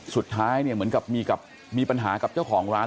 สุดท้ายเนี่ยเหมือนกับมีปัญหากับเจ้าของร้าน